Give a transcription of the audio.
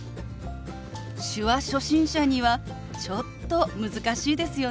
手話初心者にはちょっと難しいですよね。